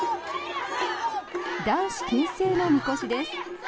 男子禁制のみこしです。